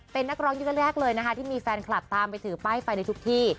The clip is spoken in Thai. เป็นนักร้องยุคแรกเลยนะคะที่มีแฟนคลับตามไปถือป้ายไฟในทุกที่